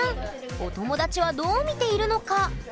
お友達はどう見ているのか？